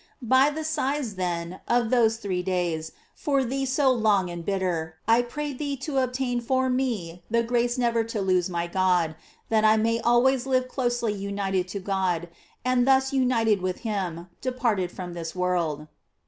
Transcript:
By the sighs, then, of those three days, for thee eo long and bitter, I pray thee to obtain for me the grace never to lose my God, that I may al ways live closely united to God, and thus unit ed with him, depart from this world.